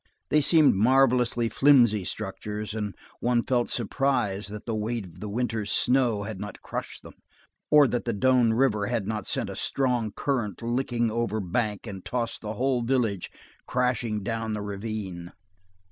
They seemed marvelously flimsy structures, and one felt surprise that the weight the winter snow had not crushed them, or that the Doane River had not sent a strong current licking over bank and tossed the whole village crashing down the ravine.